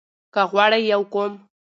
که غواړئ يو قوم